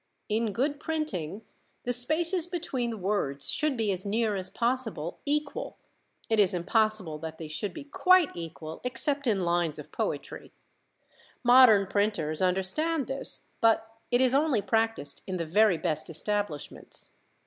In good printing the spaces between the words should be as near as possible equal (it is impossible that they should be quite equal except in lines of poetry); modern printers understand this, but it is only practised in the very best establishments.